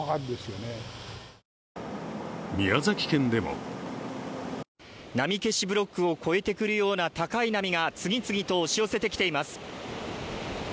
宮崎県でも波消しブロックを越えてくるような高い波が次々と押し寄せてきています。